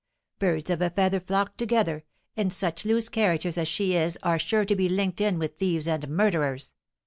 'Birds of a feather flock together,' and such loose characters as she is are sure to be linked in with thieves and murderers.